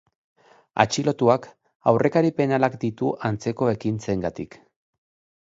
Atxilotuak aurrekari penalak ditu antzeko ekintzengatik.